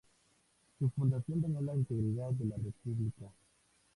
Su fundación dañó la integridad de la República.